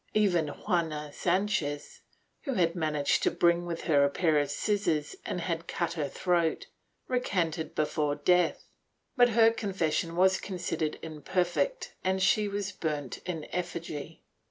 Even Juana Sanchez, who had managed to bring with her a pair of scissors and had cut her throat, recanted before death, but her confession was considered imperfect and she was burnt in effigy.